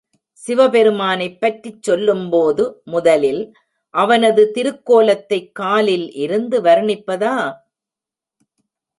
சிவபெருமானைப் பற்றிச் சொல்லும்போது முதலில் அவனது திருக்கோலத்தைக் காலில் இருந்து வர்ணிப்பதா?